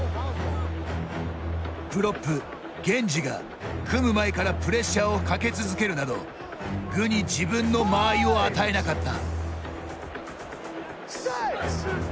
プロップ、ゲンジが組む前からプレッシャーをかけ続けるなど具に自分の間合いを与えなかった。